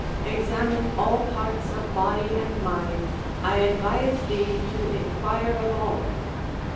Examine all parts of body and mind, I advise thee to inquire of all.